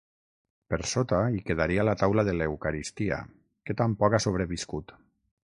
Per sota hi quedaria la taula de l'eucaristia, que tampoc ha sobreviscut.